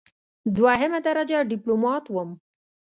دوهمه درجه ډیپلوماټ وم.